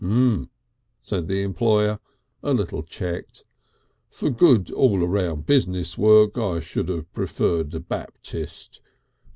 "H'm," said the employer a little checked. "For good all round business work I should have preferred a Baptist.